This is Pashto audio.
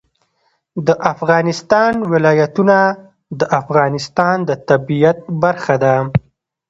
د افغانستان ولايتونه د افغانستان د طبیعت برخه ده.